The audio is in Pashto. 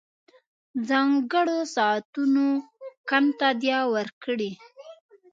ځانګړو ساعتونو کم تادیه ورکړي.